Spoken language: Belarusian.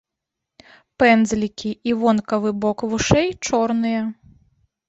Пэндзлікі і вонкавы бок вушэй чорныя.